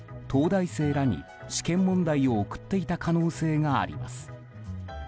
東大生らに試験問題を送っていた可能性があります。